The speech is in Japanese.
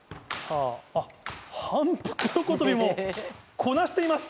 反復横跳びもこなしています！